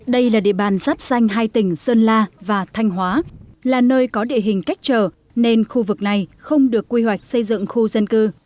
đây là địa bàn sắp xanh hai tỉnh sơn la và thanh hóa là nơi có địa hình cách trở nên khu vực này không được quy hoạch xây dựng khu dân cư